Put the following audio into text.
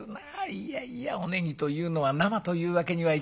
いやいやおネギというのは生というわけにはいきません。